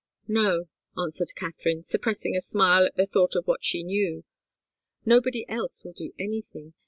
"No," answered Katharine, suppressing a smile at the thought of what she knew, "nobody else will do anything.